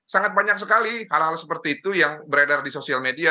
sangat banyak sekali hal hal seperti itu yang beredar di sosial media